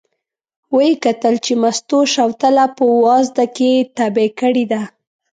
و یې کتل چې مستو شوتله په وازده کې تبی کړې ده.